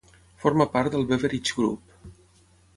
Forma part del Beveridge Group.